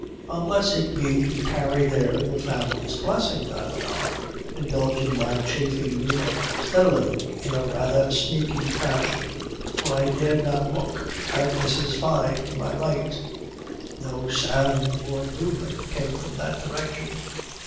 "Unless it be to carry there the family's blessing," I went on, indulging my chaffing humour steadily, in a rather sneaking fashion, for I dared not look at Mrs. Fyne, to my right. No sound or movement came from that direction.